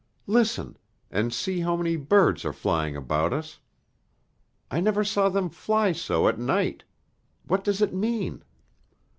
"Listen, and see how many birds are flying about us; I never saw them fly so at night. What does it mean?"